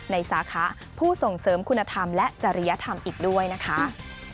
สาขาผู้ส่งเสริมคุณธรรมและจริยธรรมอีกด้วยนะคะ